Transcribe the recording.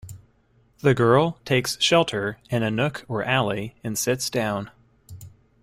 The girl takes shelter in a nook or alley and sits down.